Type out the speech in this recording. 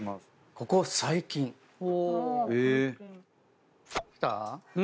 「ここ最近」来た？